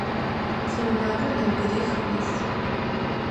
Тиунагъо нэбгырих ис.